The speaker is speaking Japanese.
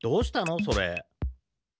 それ。